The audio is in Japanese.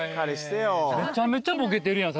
めちゃめちゃボケてるやん